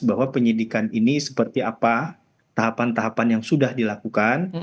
bahwa penyidikan ini seperti apa tahapan tahapan yang sudah dilakukan